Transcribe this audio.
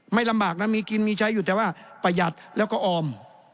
ลำบากนะมีกินมีใช้อยู่แต่ว่าประหยัดแล้วก็ออม